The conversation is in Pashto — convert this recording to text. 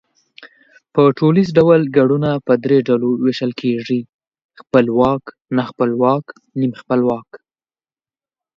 په ټوليز ډول گړونه په درې ډلو وېشل کېږي، خپلواک، ناخپلواک، نیم خپلواک